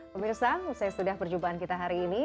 pemirsa saya sudah berjumpaan kita hari ini